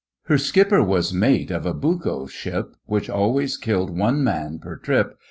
Her skipper was mate of a bucko ship Which always killed one man per trip.